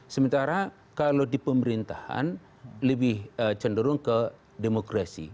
sementara kalau di pemerintahan lebih cenderung ke demokrasi